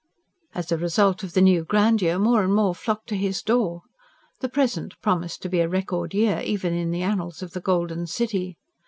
As a result of the new grandeur, more and more flocked to his door. The present promised to be a record year even in the annals of the Golden City.